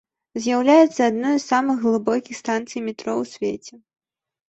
З'яўляецца адной з самых глыбокіх станцый метро ў свеце.